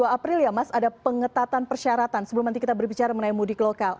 dua april ya mas ada pengetatan persyaratan sebelum nanti kita berbicara mengenai mudik lokal